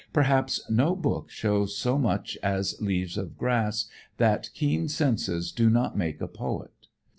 Perhaps no book shows so much as "Leaves of Grass" that keen senses do not make a poet.